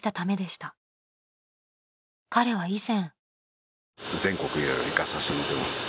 ［彼は以前］